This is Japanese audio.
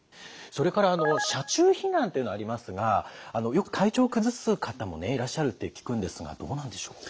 それからあの車中避難というのありますがよく体調を崩す方もねいらっしゃるって聞くんですがどうなんでしょう。